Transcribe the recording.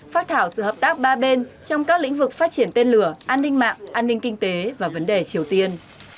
phát thảo sự hợp tác ba bên trong các lĩnh vực phát triển tên lửa an ninh mạng an ninh kinh tế và vấn đề triều tiên